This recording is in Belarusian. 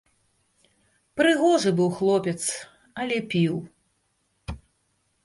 Прыгожы быў хлопец, але піў.